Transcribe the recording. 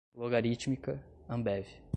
logarítmica, Ambev